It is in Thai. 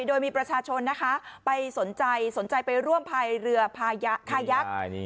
โดยมีประชาชนนะคะไปสนใจสนใจไปร่วมพายเรือพายะคายักษ์